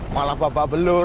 malah bapak belur